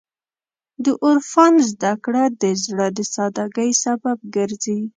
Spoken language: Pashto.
د عرفان زدهکړه د زړه د سادګۍ سبب ګرځي.